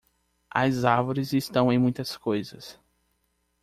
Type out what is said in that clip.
As árvores estão em muitas coisas.